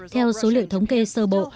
theo số liệu thống kê sơ bộ